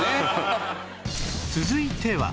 続いては